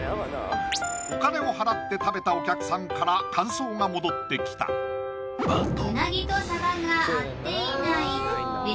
お金を払って食べたお客さんから感想が戻ってきたさあ